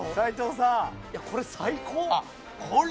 これ最高！